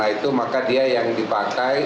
itu maka dia yang dipakai